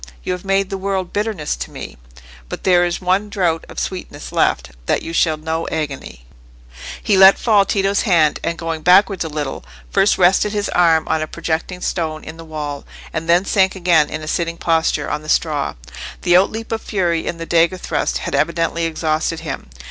You have made the world bitterness to me; but there is one draught of sweetness left—that you shall know agony." He let fall Tito's hand, and going backwards a little, first rested his arm on a projecting stone in the wall, and then sank again in a sitting posture on the straw. The outleap of fury in the dagger thrust had evidently exhausted him.